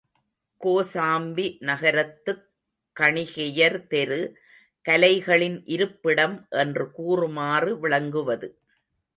கோசாம்பி நகரத்துக் கணிகையர் தெரு, கலைகளின் இருப்பிடம் என்று கூறுமாறு விளங்குவது.